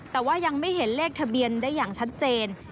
แต่ว่ายังไม่เห็นเลขทะเบียนได้อย่างชัดเจน